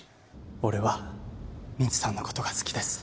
俺はみちさんのことが好きです。